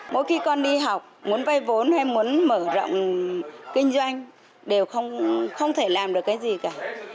mỗi khi con đi học muốn vay vốn hay muốn mở rộng kinh doanh đều không thể làm được cái gì cả